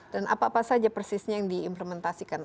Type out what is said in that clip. dan apa apa saja persisnya yang diimplementasikan